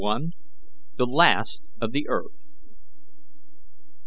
THE LAST OF THE EARTH.